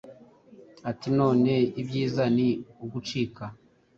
ati «None ibyiza ni ugucika».